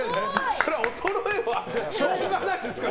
それは衰えはしょうがないですから。